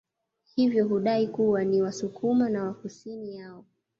Hivyo hudai kuwa ni wasukuma na kusini yao